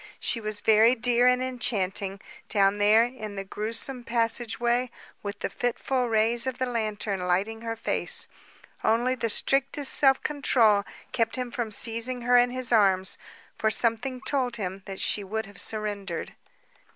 She was very dear and enchanting, down there in the grewsome passageway with the fitful rays of the lantern lighting her face. Only the strictest self control kept him from seizing her in his arms, for something told him that she would have surrendered.